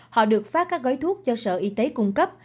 họ được phát các gói thuốc do sở y tế cung cấp